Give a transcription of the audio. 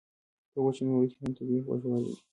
په وچو میوو کې هم طبیعي خوږوالی وي.